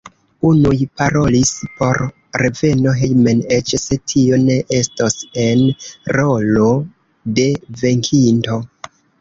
Unuj parolis por reveno hejmen eĉ se tio ne estos en rolo de venkinto.